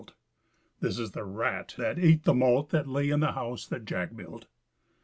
This is the Rat, That ate the Malt, That lay in the House that Jack built.